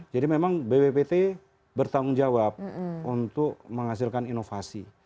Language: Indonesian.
jadi memang bppt bertanggung jawab untuk menghasilkan inovasi